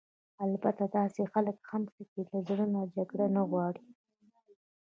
البته داسې خلک هم شته چې له زړه نه جګړه نه غواړي.